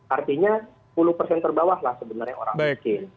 artinya sepuluh terbawahlah sebenarnya orang miskin